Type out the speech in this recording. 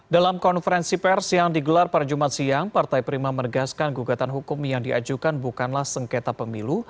dalam konferensi pers yang digelar pada jumat siang partai prima menegaskan gugatan hukum yang diajukan bukanlah sengketa pemilu